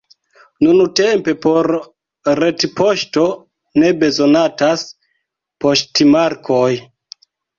Nuntempe por retpoŝto ne bezonatas poŝtmarkoj.